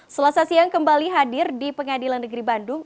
selasa siang kembali hadir di pengadilan negeri bandung